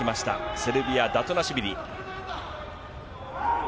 セルビア、ダトゥナシュビリ。